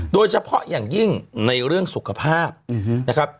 โดยเฉพาะอย่างยิ่งในเรื่องสุขภาพนะครับ